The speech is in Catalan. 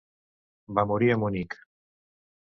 Va morir a Munic.